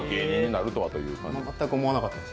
全く思わなかったです。